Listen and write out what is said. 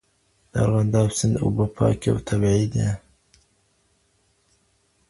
د ارغنداب سیند اوبه پاکي او طبیعي دي.